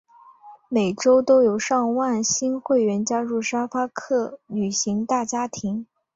每周都有上万新会员加入沙发客旅行大家庭。